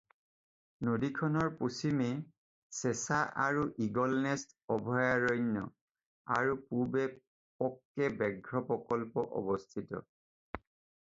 নদীখনৰ পশ্চিমে ছেছা আৰু ঈগলনেষ্ট অভয়াৰণ্য আৰু পূবে পক্কে ব্ৰাঘ্য প্ৰকল্প অৱস্থিত।